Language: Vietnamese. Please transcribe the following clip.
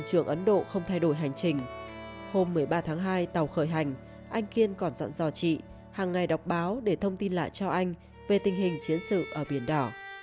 tàu khởi hành anh kiên còn dặn dò chị hàng ngày đọc báo để thông tin lại cho anh về tình hình chiến sự ở biển đỏ